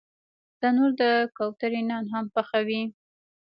تنور د کوترې نان هم پخوي